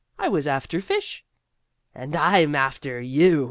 "I was after fish." "And I'm after you!"